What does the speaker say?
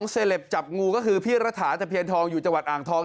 หน้าของเศลปจับงูก็คือพี่ระถาทะเพียรธองอยู่จวัดอ่างทอง